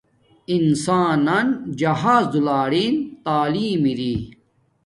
انسان نس جہاز دولارین تعلیم اری